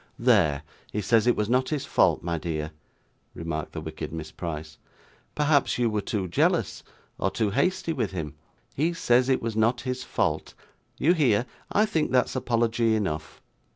'There; he says it was not his fault, my dear,' remarked the wicked Miss Price. 'Perhaps you were too jealous, or too hasty with him? He says it was not his fault. You hear; I think that's apology enough.